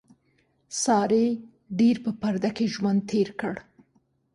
سارې ډېر په پرده کې ژوند تېر کړ.